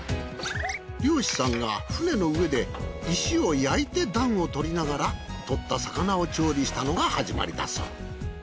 漁師さんが船の上で石を焼いて暖をとりながら獲った魚を調理したのが始まりだそう。